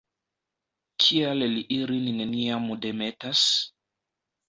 Kial li ilin neniam demetas?